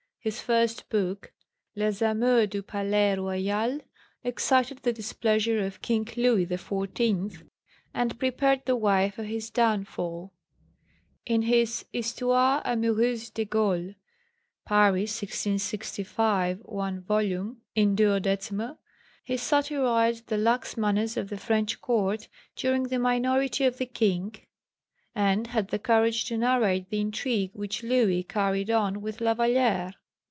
His first book, Les amours du Palais Royal, excited the displeasure of King Louis XIV., and prepared the way for his downfall. In his Histoire amoureuse des Gaules (Paris, 1665, 1 vol., in 12) he satirised the lax manners of the French Court during the minority of the King, and had the courage to narrate the intrigue which Louis carried on with La Vallière.